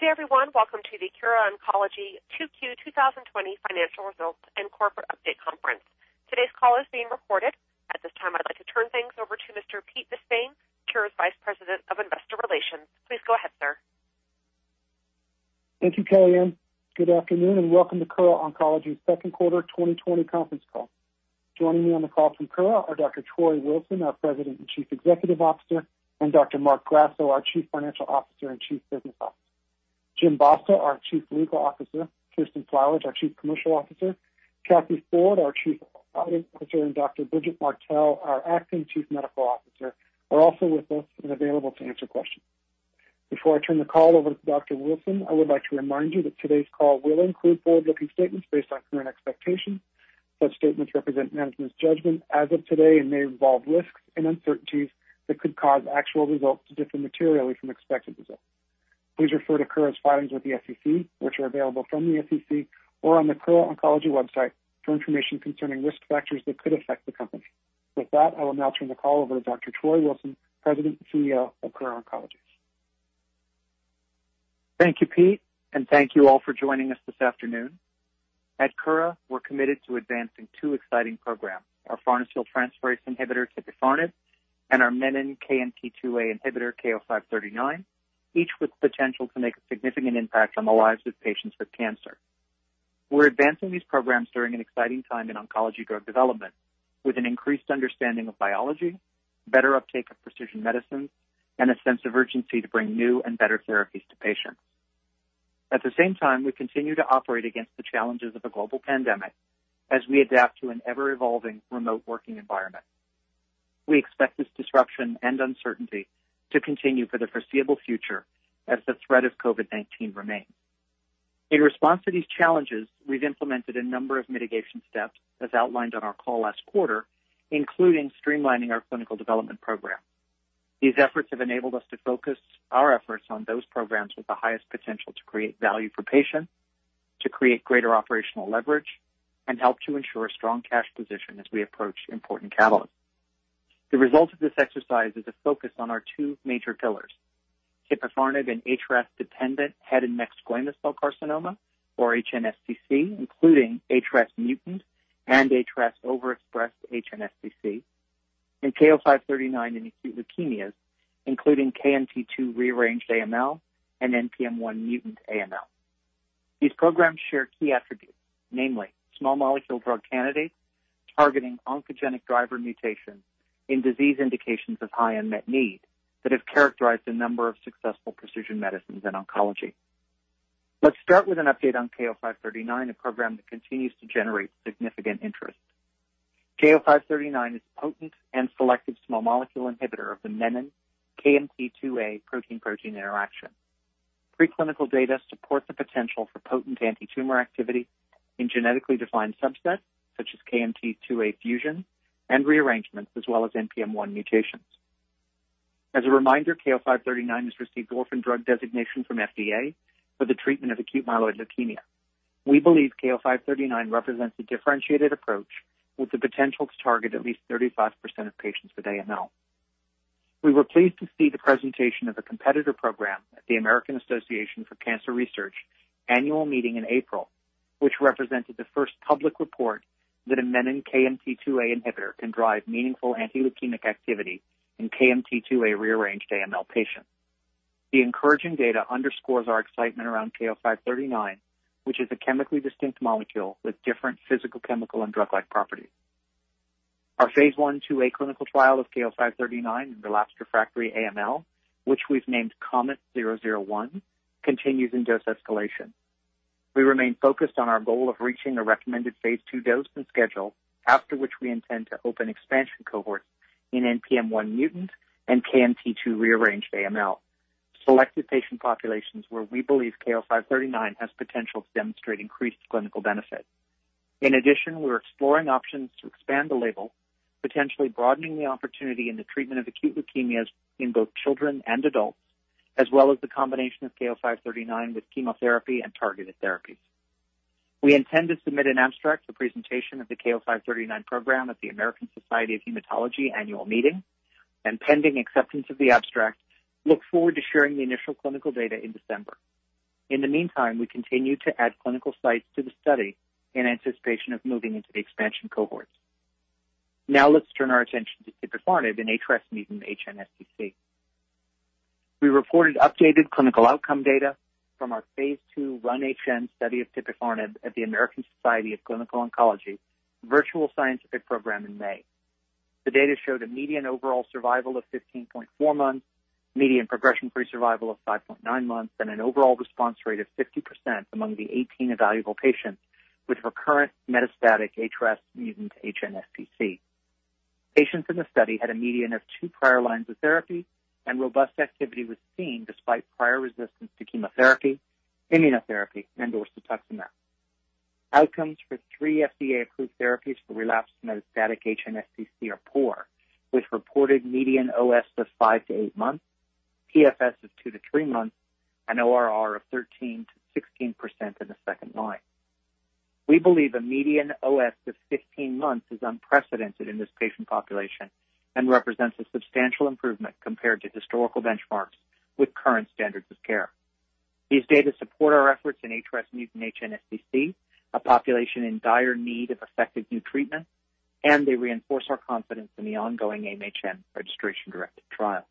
Good day, everyone. Welcome to the Kura Oncology 2Q 2020 Financial Results and Corporate Update Conference. Today's call is being recorded. At this time, I'd like to turn things over to Mr. Pete De Spain, Kura's Vice President of Investor Relations. Please go ahead, sir. Thank you, Kellyanne. Good afternoon, and welcome to Kura Oncology's second quarter 2020 conference call. Joining me on the call from Kura are Dr. Troy Wilson, our President and Chief Executive Officer, and Dr. Marc Grasso, our Chief Financial Officer and Chief Business Officer. Jim Basta, our Chief Legal Officer, Kirsten Flowers, our Chief Commercial Officer, Kathy Ford, our Chief Operating Officer, and Dr. Bridget Martell, our acting Chief Medical Officer, are also with us and available to answer questions. Before I turn the call over to Dr. Wilson, I would like to remind you that today's call will include forward-looking statements based on current expectations. Such statements represent management's judgment as of today and may involve risks and uncertainties that could cause actual results to differ materially from expected results. Please refer to Kura's filings with the SEC, which are available from the SEC or on the Kura Oncology website for information concerning risk factors that could affect the company. With that, I will now turn the call over to Dr. Troy Wilson, President and CEO of Kura Oncology. Thank you, Pete, and thank you all for joining us this afternoon. At Kura, we're committed to advancing two exciting programs, our farnesyltransferase inhibitor, tipifarnib, and our menin KMT2A inhibitor, KO-539, each with the potential to make a significant impact on the lives of patients with cancer. We're advancing these programs during an exciting time in oncology drug development, with an increased understanding of biology, better uptake of precision medicines, and a sense of urgency to bring new and better therapies to patients. At the same time, we continue to operate against the challenges of a global pandemic as we adapt to an ever-evolving remote working environment. We expect this disruption and uncertainty to continue for the foreseeable future as the threat of COVID-19 remains. In response to these challenges, we've implemented a number of mitigation steps, as outlined on our call last quarter, including streamlining our clinical development program. These efforts have enabled us to focus our efforts on those programs with the highest potential to create value for patients, to create greater operational leverage, and help to ensure a strong cash position as we approach important catalysts. The result of this exercise is a focus on our two major pillars, tipifarnib in HRAS-dependent head and neck squamous cell carcinoma, or HNSCC, including HRAS mutant and HRAS overexpressed HNSCC, and KO-539 in acute leukemias, including KMT2 rearranged AML and NPM1 mutant AML. These programs share key attributes, namely small molecule drug candidates targeting oncogenic driver mutations in disease indications of high unmet need that have characterized a number of successful precision medicines in oncology. Let's start with an update on KO-539, a program that continues to generate significant interest. KO-539 is a potent and selective small molecule inhibitor of the menin-KMT2A protein-protein interaction. Preclinical data support the potential for potent anti-tumor activity in genetically defined subsets such as KMT2A fusion and rearrangements, as well as NPM1 mutations. As a reminder, KO-539 has received orphan drug designation from FDA for the treatment of acute myeloid leukemia. We believe KO-539 represents a differentiated approach with the potential to target at least 35% of patients with AML. We were pleased to see the presentation of a competitor program at the American Association for Cancer Research annual meeting in April, which represented the first public report that a menin-KMT2A inhibitor can drive meaningful anti-leukemic activity in KMT2A rearranged AML patients. The encouraging data underscores our excitement around KO-539, which is a chemically distinct molecule with different physical, chemical, and drug-like properties. Our phase I/II-A clinical trial of KO-539 in relapsed/refractory AML, which we've named KOMET-001, continues in dose escalation. We remain focused on our goal of reaching a recommended Phase II dose and schedule, after which we intend to open expansion cohorts in NPM1 mutant and KMT2 rearranged AML, selected patient populations where we believe KO-539 has potential to demonstrate increased clinical benefit. In addition, we're exploring options to expand the label, potentially broadening the opportunity in the treatment of acute leukemias in both children and adults, as well as the combination of KO-539 with chemotherapy and targeted therapies. We intend to submit an abstract for presentation of the KO-539 program at the American Society of Hematology annual meeting, and pending acceptance of the abstract, look forward to sharing the initial clinical data in December. In the meantime, we continue to add clinical sites to the study in anticipation of moving into the expansion cohorts. Now let's turn our attention to tipifarnib in HRAS mutant HNSCC. We reported updated clinical outcome data from our phase II RUN-HN study of tipifarnib at the American Society of Clinical Oncology Virtual Scientific Program in May. The data showed a median overall survival of 15.4 months, median progression-free survival of 5.9 months, and an overall response rate of 50% among the 18 evaluable patients with recurrent metastatic HRAS mutant HNSCC. Patients in the study had a median of two prior lines of therapy, and robust activity was seen despite prior resistance to chemotherapy, immunotherapy, and/or cetuximab. Outcomes for three FDA-approved therapies for relapsed metastatic HNSCC are poor, with reported median OS of five to eight months, PFS of two to three months, and ORR of 13%-16% in the second line. We believe a median OS of 15 months is unprecedented in this patient population and represents a substantial improvement compared to historical benchmarks with current standards of care. These data support our efforts in HRAS mutant HNSCC, a population in dire need of effective new treatment, and they reinforce our confidence in the ongoing AIM-HN registration-directed trial.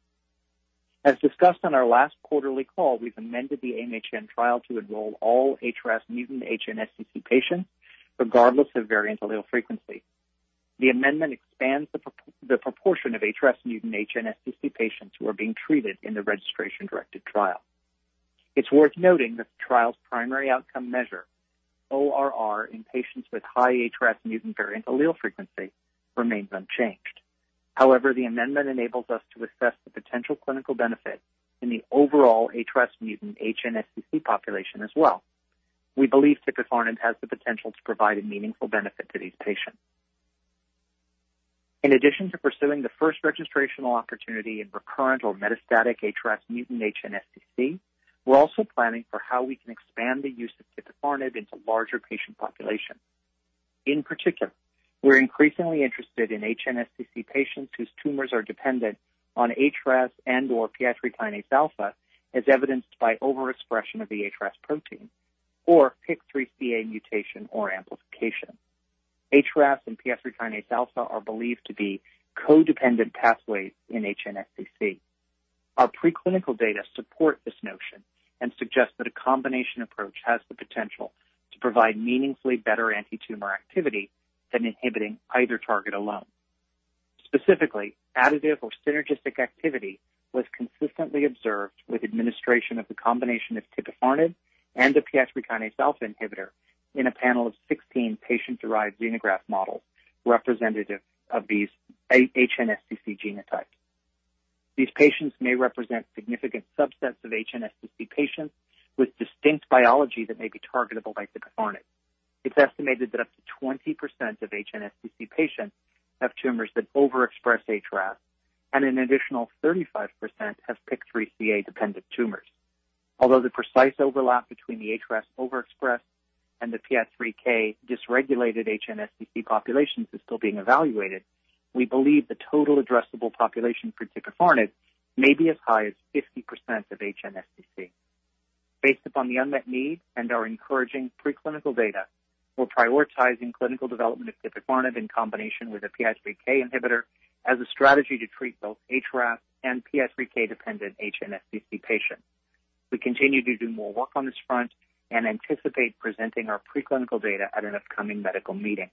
As discussed on our last quarterly call, we've amended the AIM-HN trial to enroll all HRAS mutant HNSCC patients, regardless of variant allele frequency. The amendment expands the proportion of HRAS mutant HNSCC patients who are being treated in the registration-directed trial. It's worth noting that the trial's primary outcome measure, ORR in patients with high HRAS mutant variant allele frequency, remains unchanged. However, the amendment enables us to assess the potential clinical benefit in the overall HRAS mutant HNSCC population as well. We believe tipifarnib has the potential to provide a meaningful benefit to these patients. In addition to pursuing the first registrational opportunity in recurrent or metastatic HRAS mutant HNSCC, we're also planning for how we can expand the use of tipifarnib into larger patient populations. In particular, we're increasingly interested in HNSCC patients whose tumors are dependent on HRAS and/or PI3Kα, as evidenced by overexpression of the HRAS protein or PIK3CA mutation or amplification. HRAS and PI3Kα are believed to be co-dependent pathways in HNSCC. Our preclinical data support this notion and suggest that a combination approach has the potential to provide meaningfully better antitumor activity than inhibiting either target alone. Specifically, additive or synergistic activity was consistently observed with administration of the combination of tipifarnib and a PI3 kinase alpha inhibitor in a panel of 16 patient-derived xenograft models representative of these HNSCC genotypes. These patients may represent significant subsets of HNSCC patients with distinct biology that may be targetable by tipifarnib. It's estimated that up to 20% of HNSCC patients have tumors that overexpress HRAS, and an additional 35% have PIK3CA-dependent tumors. Although the precise overlap between the HRAS overexpressed and the PI3K dysregulated HNSCC populations is still being evaluated, we believe the total addressable population for tipifarnib may be as high as 50% of HNSCC. Based upon the unmet need and our encouraging preclinical data, we're prioritizing clinical development of tipifarnib in combination with a PI3K inhibitor as a strategy to treat both HRAS and PI3K-dependent HNSCC patients. We continue to do more work on this front and anticipate presenting our preclinical data at an upcoming medical meeting.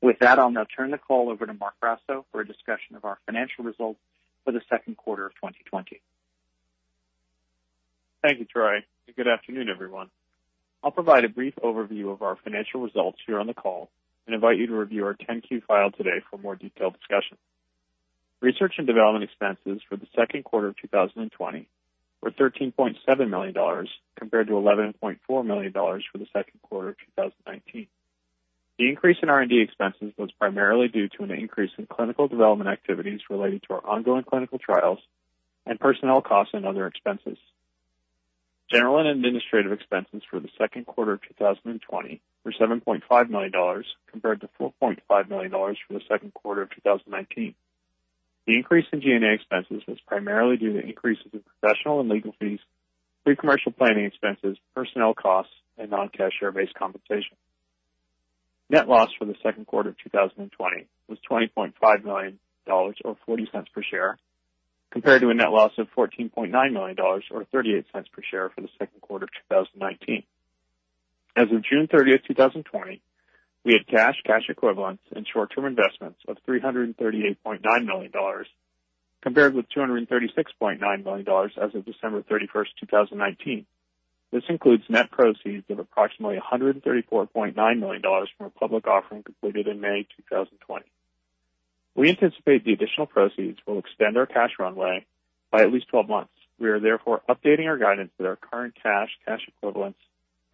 With that, I'll now turn the call over to Marc Grasso for a discussion of our financial results for the second quarter of 2020. Thank you, Troy. Good afternoon, everyone. I'll provide a brief overview of our financial results here on the call and invite you to review our 10-Q file today for more detailed discussion. Research and development expenses for the second quarter of 2020 were $13.7 million, compared to $11.4 million for the second quarter of 2019. The increase in R&D expenses was primarily due to an increase in clinical development activities related to our ongoing clinical trials and personnel costs and other expenses. General and administrative expenses for the second quarter of 2020 were $7.5 million, compared to $4.5 million for the second quarter of 2019. The increase in G&A expenses was primarily due to increases in professional and legal fees, pre-commercial planning expenses, personnel costs, and non-cash share-based compensation. Net loss for the second quarter of 2020 was $20.5 million, or $0.40 per share, compared to a net loss of $14.9 million or $0.38 per share for the second quarter of 2019. As of June 30th, 2020, we had cash equivalents, and short-term investments of $338.9 million, compared with $236.9 million as of December 31st, 2019. This includes net proceeds of approximately $134.9 million from a public offering completed in May 2020. We anticipate the additional proceeds will extend our cash runway by at least 12 months. We are therefore updating our guidance that our current cash equivalents, and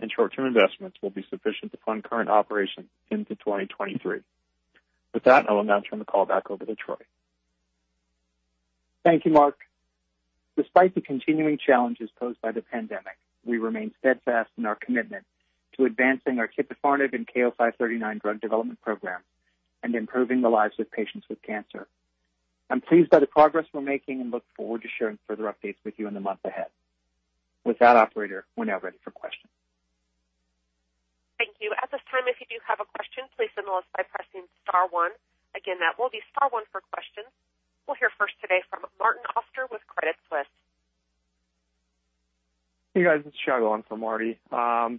short-term investments will be sufficient to fund current operations into 2023. With that, I will now turn the call back over to Troy. Thank you, Marc. Despite the continuing challenges posed by the pandemic, we remain steadfast in our commitment to advancing our tipifarnib and KO-539 drug development program and improving the lives of patients with cancer. I'm pleased by the progress we're making and look forward to sharing further updates with you in the months ahead. With that, operator, we're now ready for questions. Thank you. At this time, if you do have a question, please signal us by pressing star one. Again, that will be star one for questions. We'll hear first today from Martin Auster with Credit Suisse. Hey, guys. It's Tiago, on for Marty. I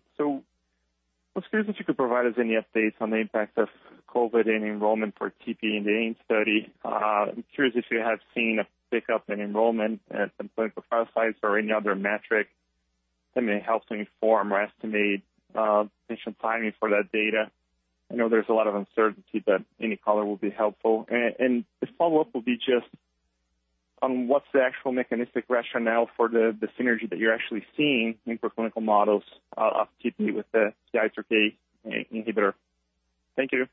was curious if you could provide us any updates on the impact of COVID-19 in enrollment for tipifarnib in the AIM study. I'm curious if you have seen a pickup in enrollment at some clinical trial sites or any other metric that may help to inform or estimate potential timing for that data. I know there's a lot of uncertainty, but any color will be helpful. The follow-up will be just on what's the actual mechanistic rationale for the synergy that you're actually seeing in preclinical models of tipifarnib with the PI3K inhibitor. Thank you.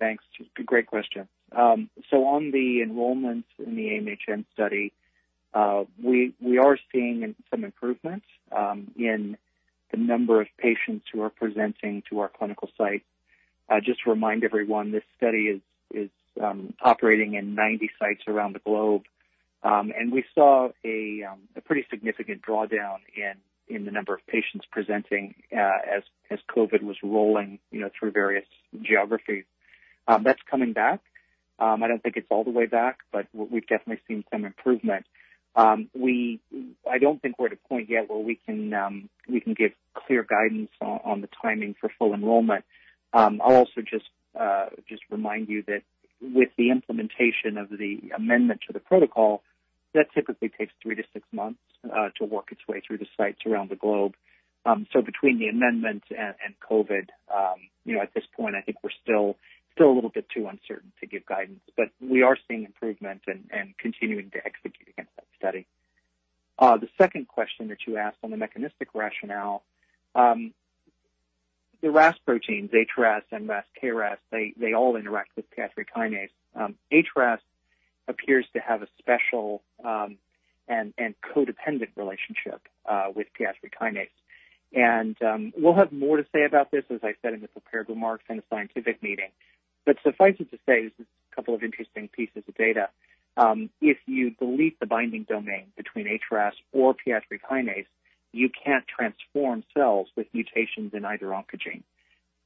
Thanks. Great question. On the enrollment in the AIM-HN study, we are seeing some improvements in the number of patients who are presenting to our clinical site. Just to remind everyone, this study is operating in 90 sites around the globe. We saw a pretty significant drawdown in the number of patients presenting as COVID was rolling through various geographies. That's coming back. I don't think it's all the way back, but we've definitely seen some improvement. I don't think we're at a point yet where we can give clear guidance on the timing for full enrollment. I'll also just remind you that with the implementation of the amendment to the protocol, that typically takes three to six months to work its way through the sites around the globe. Between the amendment and COVID-19, at this point, I think we're still a little bit too uncertain to give guidance. We are seeing improvement and continuing to execute against that study. The second question that you asked on the mechanistic rationale. The RAS proteins, HRAS, NRAS, KRAS, they all interact with PI3 kinase. HRAS appears to have a special and co-dependent relationship with PI3 kinase. We'll have more to say about this, as I said, in the prepared remarks in the scientific meeting. Suffice it to say, there's a couple of interesting pieces of data. If you delete the binding domain between HRAS or PI3 kinase, you can't transform cells with mutations in either oncogene.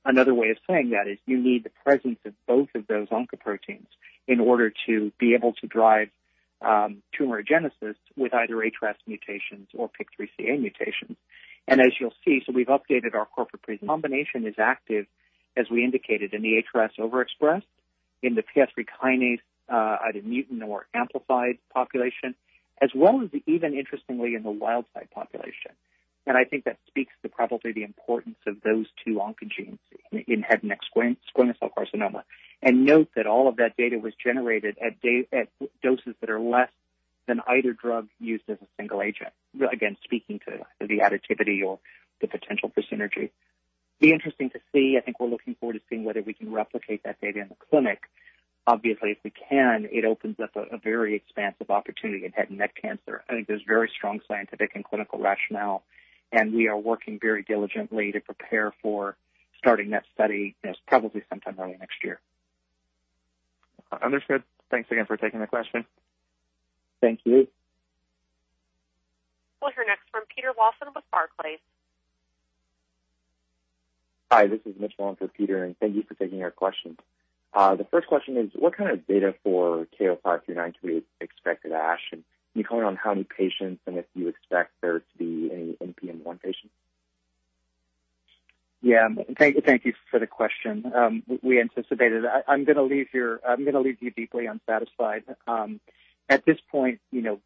Another way of saying that is you need the presence of both of those oncoproteins in order to be able to drive tumor genesis with either HRAS mutations or PIK3CA mutations. As you'll see, we've updated our corporate presentation. The combination is active, as we indicated, in the HRAS overexpressed, in the PI3 kinase, either mutant or amplified population, as well as even interestingly in the wild type population. I think that speaks to probably the importance of those two oncogenes in head and neck squamous cell carcinoma. Note that all of that data was generated at doses that are less than either drug used as a single agent. Again, speaking to the additivity or the potential for synergy. Be interesting to see. I think we're looking forward to seeing whether we can replicate that data in the clinic. Obviously, if we can, it opens up a very expansive opportunity in head and neck cancer. I think there's very strong scientific and clinical rationale, and we are working very diligently to prepare for starting that study probably sometime early next year. Understood. Thanks again for taking the question. Thank you. We'll hear next from Peter Lawson with Barclays. Hi, this is [Mitch Wason] for Peter, and thank you for taking our questions. The first question is, what kind of data for KO-539 are you expecting at ASH? Any comment on how many patients and if you expect there to be any NPM1 patients? Yeah. Thank you for the question. We anticipated. I'm going to leave you deeply unsatisfied. At this point,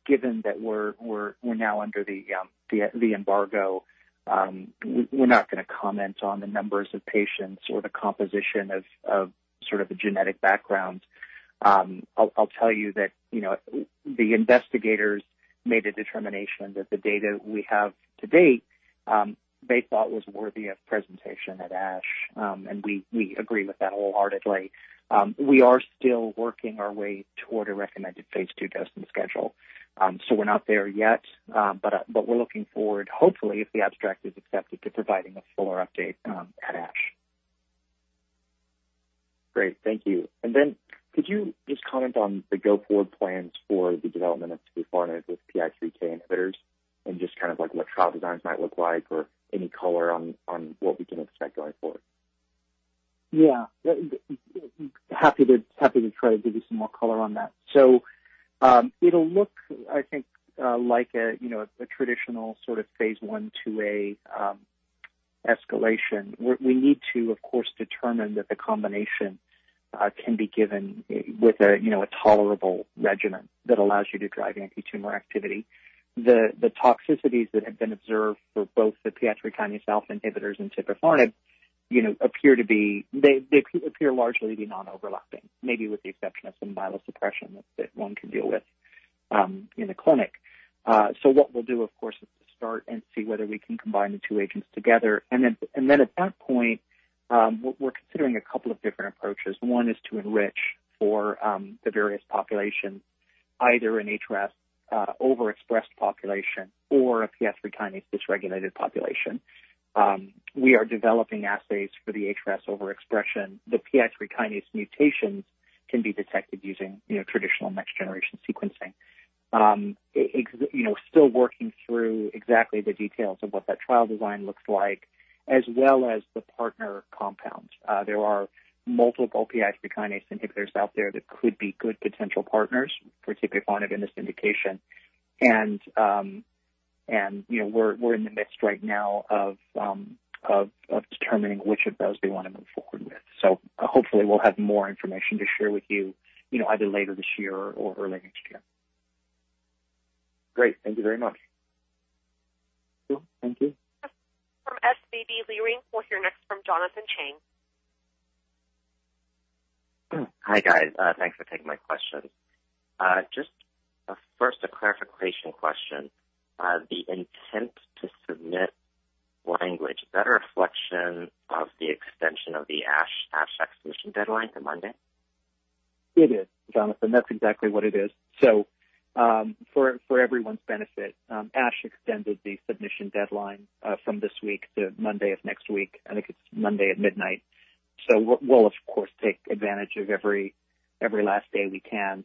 given that we're now under the embargo, we're not going to comment on the numbers of patients or the composition of sort of the genetic backgrounds. I'll tell you that the investigators made a determination that the data we have to date, they thought was worthy of presentation at ASH, and we agree with that wholeheartedly. We are still working our way toward a recommended phase II testing schedule. We're not there yet. We're looking forward, hopefully, if the abstract is accepted, to providing a fuller update at ASH. Great. Thank you. Could you just comment on the go-forward plans for the development of tipifarnib with PI3K inhibitors and just kind of like what trial designs might look like or any color on what we can expect going forward? Yeah. Happy to try to give you some more color on that. It'll look, I think like a traditional sort of phase I/IIA escalation. We need to, of course, determine that the combination can be given with a tolerable regimen that allows you to drive antitumor activity. The toxicities that have been observed for both the PI3Kα inhibitors and tipifarnib appear largely to be non-overlapping, maybe with the exception of some myelosuppression that one can deal with in the clinic. What we'll do, of course, is to start and see whether we can combine the two agents together. Then at that point, we're considering a couple of different approaches. One is to enrich for the various populations, either an HRAS overexpressed population or a PI3 kinase dysregulated population. We are developing assays for the HRAS overexpression. The PI3 kinase mutations can be detected using traditional next-generation sequencing. Still working through exactly the details of what that trial design looks like, as well as the partner compounds. There are multiple PI3 kinase inhibitors out there that could be good potential partners for tipifarnib in this indication. We're in the midst right now of determining which of those we want to move forward with. Hopefully we'll have more information to share with you either later this year or early next year. Great. Thank you very much. Sure. Thank you. From SVB Leerink, we'll hear next from Jonathan Chang. Hi, guys. Thanks for taking my questions. Just first a clarification question. The intent to submit Language. Is that a reflection of the extension of the ASH exhibition deadline to Monday? It is, Jonathan. That's exactly what it is. For everyone's benefit, ASH extended the submission deadline from this week to Monday of next week. I think it's Monday at midnight. We'll, of course, take advantage of every last day we can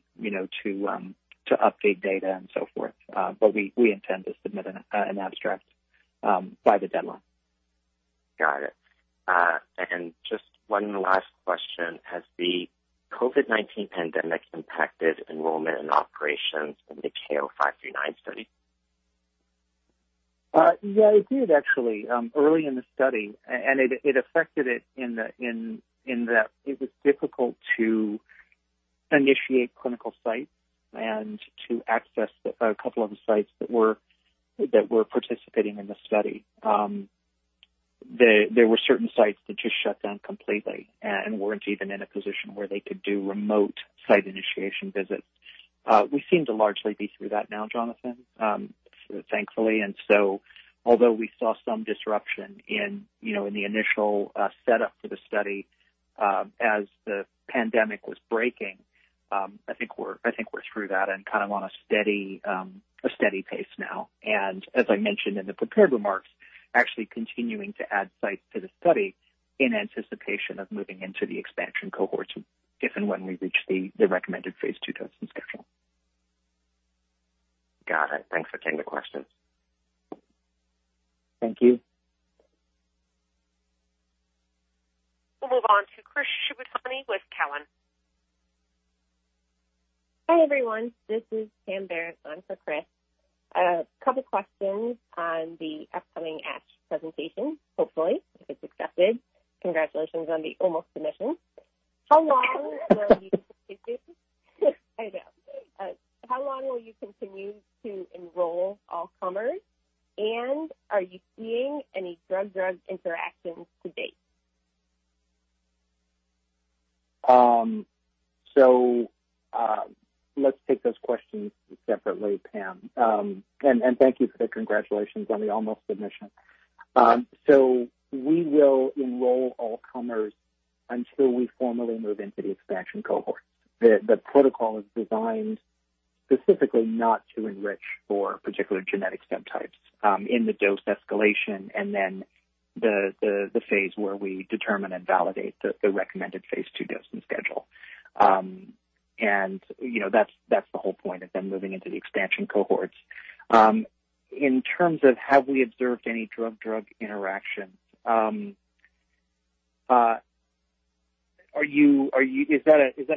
to update data and so forth. We intend to submit an abstract by the deadline. Got it. Just one last question. Has the COVID-19 pandemic impacted enrollment and operations in the KO-539 study? Yeah, it did actually, early in the study. It affected it in that it was difficult to initiate clinical sites and to access a couple of the sites that were participating in the study. There were certain sites that just shut down completely and weren't even in a position where they could do remote site initiation visits. We seem to largely be through that now, Jonathan, thankfully, although we saw some disruption in the initial setup for the study as the pandemic was breaking, I think we're through that and on a steady pace now. As I mentioned in the prepared remarks, actually continuing to add sites to the study in anticipation of moving into the expansion cohorts if and when we reach the recommended phase II dosing schedule. Got it. Thanks for taking the question. Thank you. We'll move on to Chris Shibutani with Cowen. Hi, everyone. This is [Pam Barris] on for Chris. Couple questions on the upcoming ASH presentation, hopefully, if it's accepted. Congratulations on the almost submission. I know. How long will you continue to enroll all comers, and are you seeing any drug-drug interactions to date? Let's take those questions separately, Pam. Thank you for the congratulations on the almost submission. We will enroll all comers until we formally move into the expansion cohorts. The protocol is designed specifically not to enrich for particular genetic subtypes in the dose escalation, and then the phase where we determine and validate the recommended phase II dosing schedule. That's the whole point of then moving into the expansion cohorts. In terms of have we observed any drug-drug interactions, is that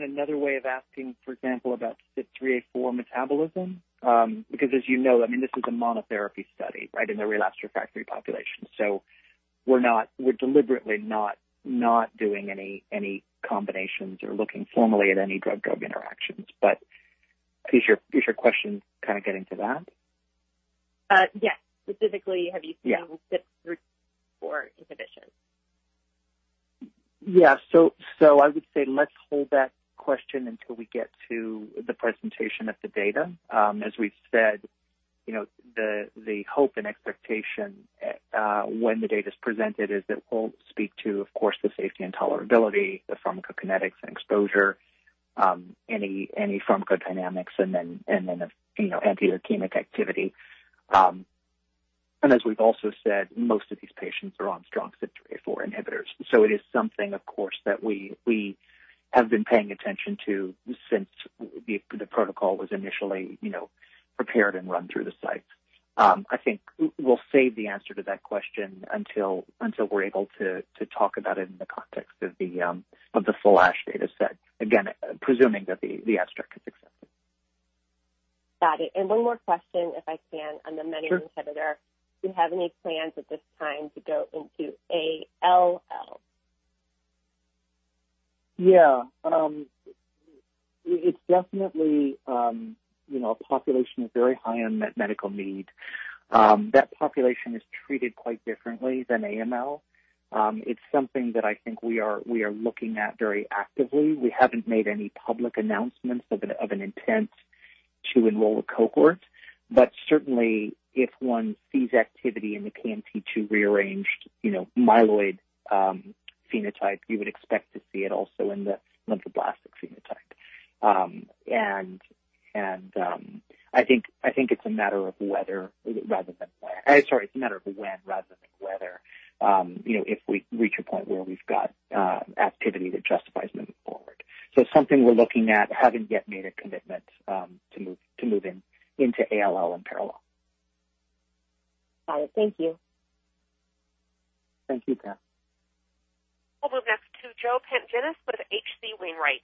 another way of asking, for example, about CYP3A4 metabolism? As you know, this is a monotherapy study in the relapsed refractory population. We're deliberately not doing any combinations or looking formally at any drug-drug interactions. Is your question kind of getting to that? Yes. Specifically, have you seen? Yeah CYP3A4 inhibition? Yeah. I would say let's hold that question until we get to the presentation of the data. As we've said, the hope and expectation when the data's presented is it will speak to, of course, the safety and tolerability, the pharmacokinetics and exposure, any pharmacodynamics, and then the anti-leukemic activity. As we've also said, most of these patients are on strong CYP3A4 inhibitors. It is something, of course, that we have been paying attention to since the protocol was initially prepared and run through the sites. I think we'll save the answer to that question until we're able to talk about it in the context of the full ASH data set. Again, presuming that the abstract is accepted. Got it. One more question, if I can. Sure on the menin inhibitor. Do you have any plans at this time to go into ALL? It's definitely a population with very high unmet medical need. That population is treated quite differently than AML. It's something that I think we are looking at very actively. We haven't made any public announcements of an intent to enroll a cohort. Certainly, if one sees activity in the KMT2 rearranged myeloid phenotype, you would expect to see it also in the lymphoblastic phenotype. I think it's a matter of when rather than whether, if we reach a point where we've got activity that justifies moving forward. Something we're looking at, haven't yet made a commitment to move into ALL in parallel. Got it. Thank you. Thank you, Pam. We'll move next to Joe Pantginis with H.C. Wainwright.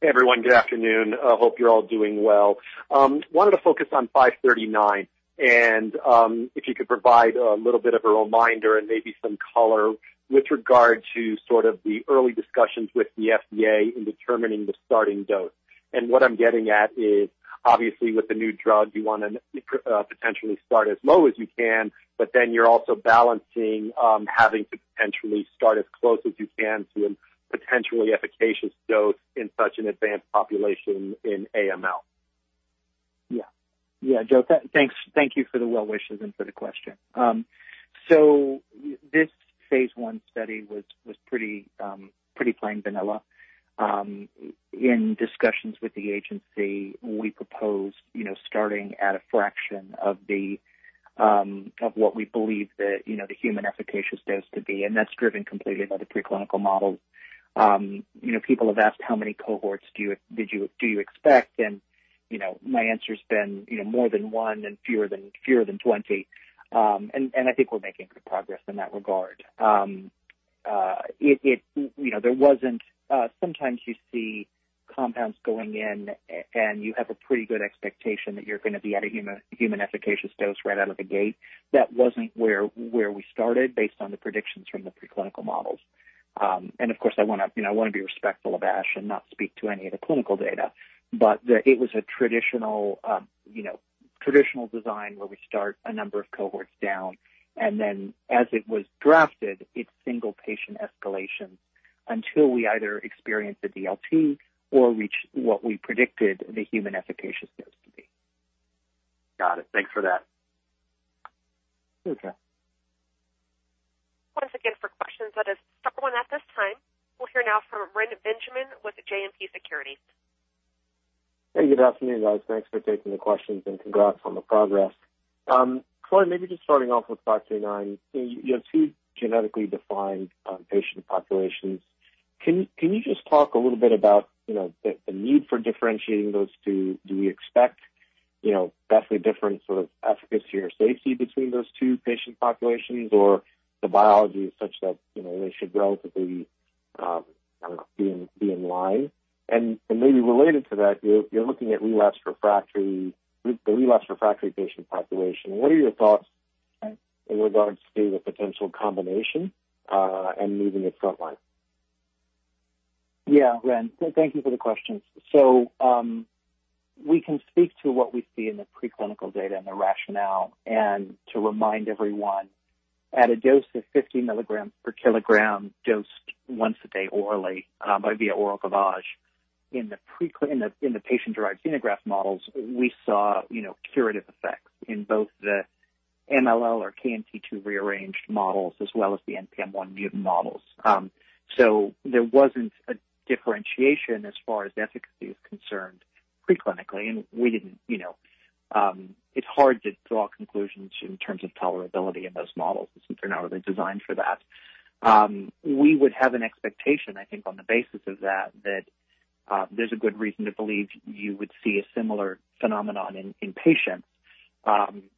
Hey, everyone. Good afternoon. Hope you're all doing well. Wanted to focus on KO-539. If you could provide a little bit of a reminder and maybe some color with regard to sort of the early discussions with the FDA in determining the starting dose. What I'm getting at is, obviously with a new drug, you want to potentially start as low as you can, but then you're also balancing having to potentially start as close as you can to a potentially efficacious dose in such an advanced population in AML. Yeah. Joe, thank you for the well wishes and for the question. This phase I study was pretty plain vanilla. In discussions with the agency, we proposed starting at a fraction of what we believe the human efficacious dose to be, and that's driven completely by the preclinical models. People have asked, how many cohorts do you expect? My answer's been, more than one and fewer than 20. I think we're making good progress in that regard. Sometimes you see compounds going in, and you have a pretty good expectation that you're going to be at a human efficacious dose right out of the gate. That wasn't where we started based on the predictions from the preclinical models. Of course, I want to be respectful of ASH and not speak to any of the clinical data. It was a traditional design where we start a number of cohorts down. Then as it was drafted, it's single patient escalation until we either experience a DLT or reach what we predicted the human efficacious dose to be. Got it. Thanks for that. Okay. Once again, for questions that have come in at this time, we'll hear now from Reni Benjamin with JMP Securities. Hey, good afternoon, guys. Thanks for taking the questions and congrats on the progress. Troy, maybe just starting off with KO-539. You have two genetically defined patient populations. Can you just talk a little bit about the need for differentiating those two? Do we expect vastly different sort of efficacy or safety between those two patient populations, or the biology is such that they should relatively be in line? Maybe related to that, you're looking at the relapse refractory patient population. What are your thoughts in regards to the potential combination and moving it front line? Yeah, Reni. Thank you for the question. We can speak to what we see in the preclinical data and the rationale. To remind everyone, at a dose of 50 milligrams per kilogram dosed once a day orally via oral gavage in the patient-derived xenograft models, we saw curative effects in both the MLL or KMT2 rearranged models as well as the NPM1 mutant models. There wasn't a differentiation as far as efficacy is concerned pre-clinically, and it's hard to draw conclusions in terms of tolerability in those models since they're not really designed for that. We would have an expectation, I think, on the basis of that there's a good reason to believe you would see a similar phenomenon in patients.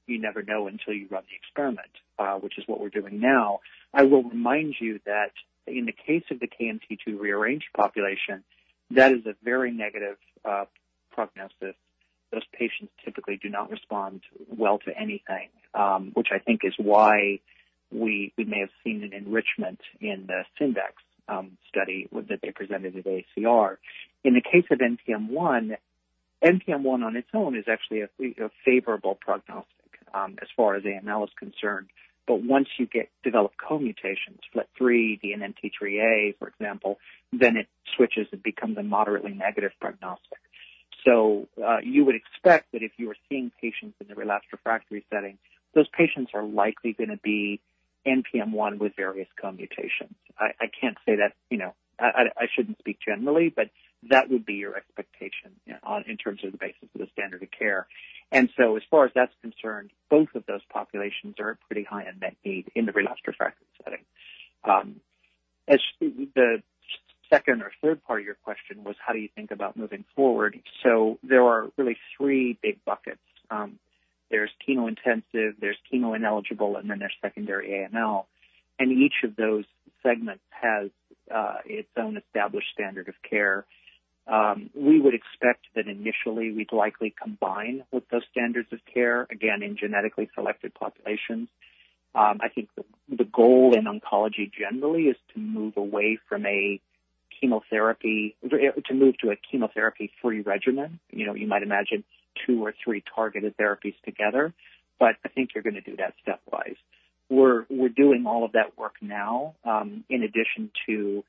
You never know until you run the experiment, which is what we're doing now. I will remind you that in the case of the KMT2 rearranged population, that is a very negative prognosis. Those patients typically do not respond well to anything, which I think is why we may have seen an enrichment in the SNDX-5613 study that they presented at AACR. In the case of NPM1 on its own is actually a favorable prognostic as far as AML is concerned. Once you develop co-mutations, FLT3, DNMT3A, for example, it switches and becomes a moderately negative prognostic. You would expect that if you were seeing patients in the relapsed refractory setting, those patients are likely going to be NPM1 with various co-mutations. I shouldn't speak generally, but that would be your expectation in terms of the basis of the standard of care. As far as that's concerned, both of those populations are pretty high unmet need in the relapsed refractory setting. The second or third part of your question was how do you think about moving forward. There are really three big buckets. There's chemo intensive, there's chemo ineligible, and then there's secondary AML. Each of those segments has its own established standard of care. We would expect that initially we'd likely combine with those standards of care, again, in genetically selected populations. I think the goal in oncology generally is to move to a chemotherapy free regimen. You might imagine two or three targeted therapies together, but I think you're going to do that stepwise. We're doing all of that work now, in addition to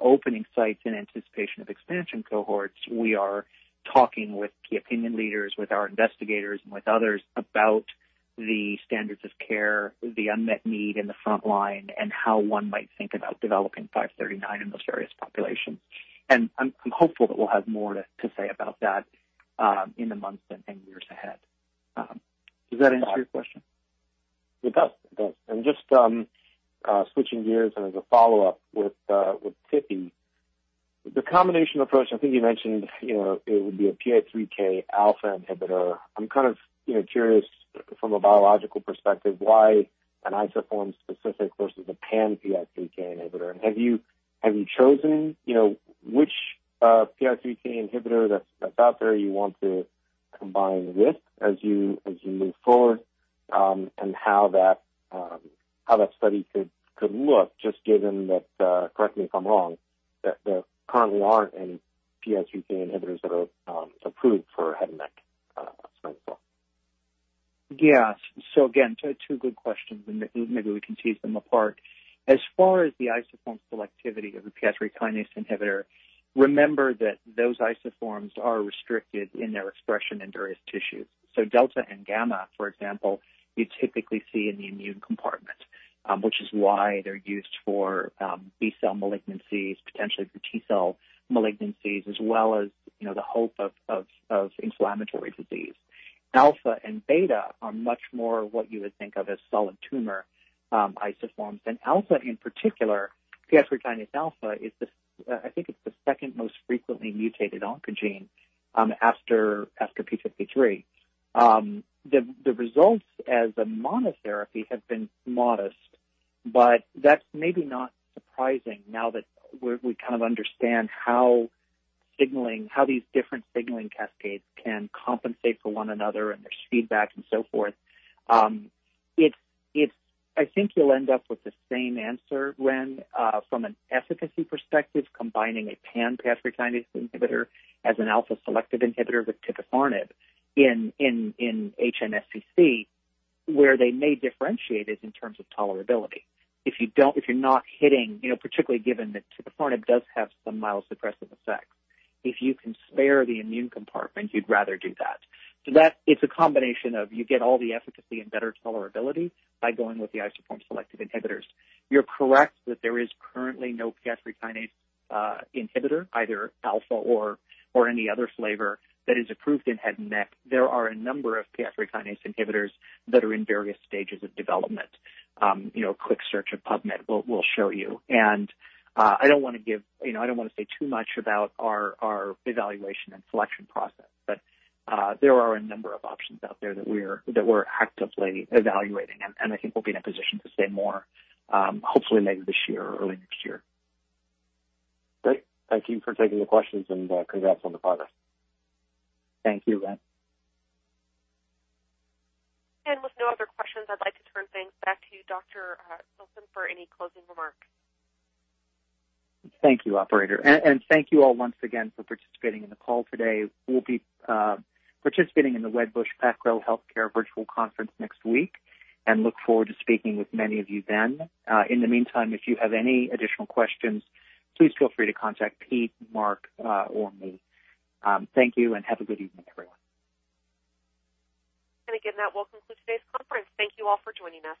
opening sites in anticipation of expansion cohorts. We are talking with key opinion leaders, with our investigators, and with others about the standards of care, the unmet need in the front line, and how one might think about developing 539 in those various populations. I'm hopeful that we'll have more to say about that in the months and years ahead. Does that answer your question? It does. Just switching gears and as a follow-up with Tipi, the combination approach, I think you mentioned it would be a PI3 kinase alpha inhibitor. I'm kind of curious from a biological perspective why an isoform specific versus a pan PI3K inhibitor? Have you chosen which PI3K inhibitor that's out there you want to combine with as you move forward? How that study could look just given that, correct me if I'm wrong, that there currently aren't any PI3K inhibitors that are approved for head and neck? Yes. Again, two good questions, and maybe we can tease them apart. As far as the isoform selectivity of the PI3 kinase inhibitor, remember that those isoforms are restricted in their expression in various tissues. Delta and gamma, for example, you typically see in the immune compartment, which is why they're used for B-cell malignancies, potentially for T-cell malignancies, as well as the hope of inflammatory disease. Alpha and beta are much more what you would think of as solid tumor isoforms. Alpha in particular, PI3Kα, I think it's the second most frequently mutated oncogene after p53. The results as a monotherapy have been modest, but that's maybe not surprising now that we kind of understand how these different signaling cascades can compensate for one another and there's feedback and so forth. I think you'll end up with the same answer, Ren, from an efficacy perspective, combining a pan PI3 kinase inhibitor as an alpha selective inhibitor with tipifarnib in HNSCC, where they may differentiate is in terms of tolerability. If you're not hitting, particularly given that tipifarnib does have some mild suppressive effects, if you can spare the immune compartment, you'd rather do that. It's a combination of you get all the efficacy and better tolerability by going with the isoform selective inhibitors. You're correct that there is currently no PI3 kinase inhibitor, either alpha or any other flavor that is approved in head and neck. There are a number of PI3 kinase inhibitors that are in various stages of development. A quick search of PubMed will show you. I don't want to say too much about our evaluation and selection process, but there are a number of options out there that we're actively evaluating, and I think we'll be in a position to say more, hopefully later this year or early next year. Great. Thank you for taking the questions and congrats on the progress. Thank you, Reni. With no other questions, I'd like to turn things back to you, Dr. Wilson, for any closing remarks. Thank you, operator. Thank you all once again for participating in the call today. We'll be participating in the Wedbush PacGrow Healthcare Virtual Conference next week and look forward to speaking with many of you then. In the meantime, if you have any additional questions, please feel free to contact Pete, Marc, or me. Thank you and have a good evening, everyone. Again, that will conclude today's conference. Thank you all for joining us.